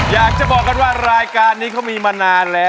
อยากจะบอกกันว่ารายการนี้เขามีมานานแล้ว